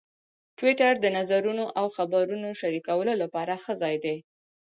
ټویټر د نظرونو او خبرونو شریکولو لپاره ښه ځای دی.